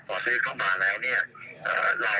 ก็เป็นราคาปกติเลย